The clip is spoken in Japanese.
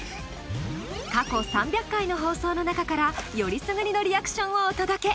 過去３００回の放送の中からよりすぐりのリアクションをお届け！